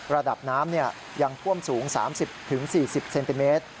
ระดับน้ำยังท่วมสูง๓๐๔๐เซนติเมตร